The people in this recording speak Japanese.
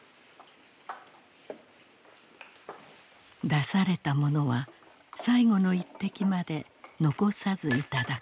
出されたものは最後の一滴まで残さず頂く。